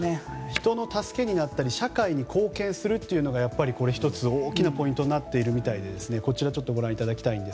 人の助けになったり社会に貢献するというのが１つ、大きなポイントになっているみたいで。